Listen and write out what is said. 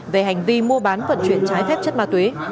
về hành vi mua bán vận chuyển trái phép chất ma túy